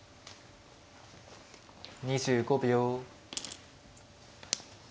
２５秒。